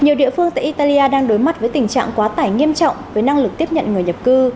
nhiều địa phương tại italia đang đối mặt với tình trạng quá tải nghiêm trọng với năng lực tiếp nhận người nhập cư